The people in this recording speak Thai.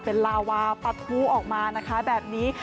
เป็นลาวาปะทู้ออกมานะคะแบบนี้